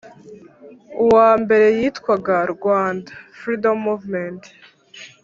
uwa mbere witwaga rwanda freedom movement